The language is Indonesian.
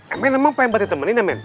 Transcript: emen emang pengen bantu temenin emen